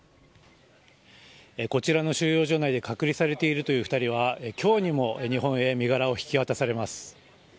こちらの収容所内で隔離されているという２人は今日にも日本へ身柄を引き渡されます。